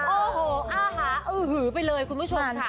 โอ้โหอาหารอื้อหือไปเลยคุณผู้ชมค่ะ